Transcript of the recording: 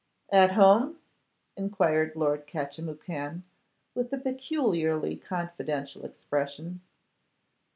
'At home?' enquired Lord Catchimwhocan, with a peculiarly confidential expression.